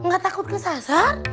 gak takut ke sasar